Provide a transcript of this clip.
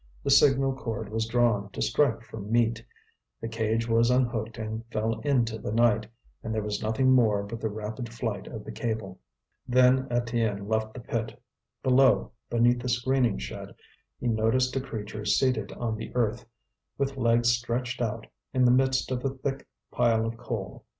The signal cord was drawn to strike for meat, the cage was unhooked and fell into the night, and there was nothing more but the rapid flight of the cable. Then Étienne left the pit. Below, beneath the screening shed, he noticed a creature seated on the earth, with legs stretched out, in the midst of a thick pile of coal.